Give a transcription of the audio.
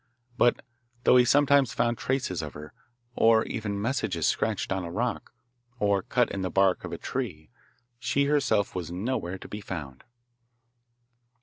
But though he sometimes found traces of her, or even messages scratched on a rock, or cut in the bark of a tree, she herself was nowhere to be found.